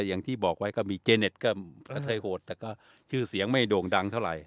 อย่างที่บอกไว้ก็มีเจเน็ตก็ประเทศไทยโหดแต่ก็ชื่อเสียงไม่โด่งดังเท่าไหร่